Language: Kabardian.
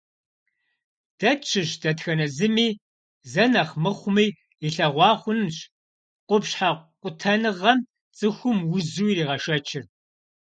Дэ тщыщ дэтхэнэ зыми зэ нэхъ мыхъуми илъэгъуа хъунщ къупщхьэ къутэныгъэм цӏыхум узу иригъэшэчыр.